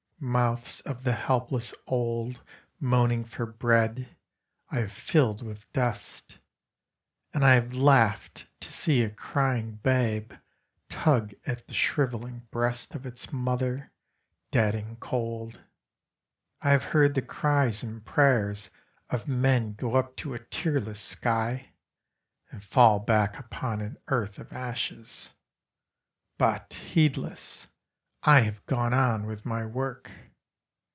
Mouths of the helpless old moaning for bread, I have filled with dust; And I have laughed to see a crying babe tug at the shriveling breast Of its mother, dead and cold. I have heard the cries and prayers of men go up to a tearless sky, And fall back upon an earth of ashes; But, heedless, I have gone on with my work.